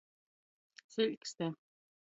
Siļkste.